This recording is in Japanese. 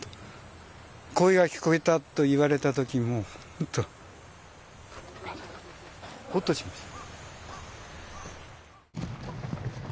「声が聞こえた」と言われたときもう本当ほっとしました。